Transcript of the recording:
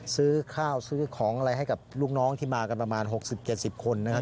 ซื้อข้าวซื้อของอะไรให้กับลูกน้องที่มากันประมาณ๖๐๗๐คนนะครับ